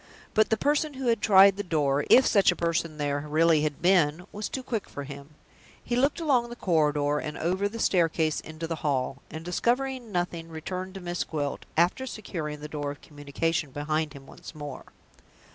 But the person who had tried the door if such a person there really had been was too quick for him. He looked along the corridor, and over the staircase into the hall, and, discovering nothing, returned to Miss Gwilt, after securing the door of communication behind him once more.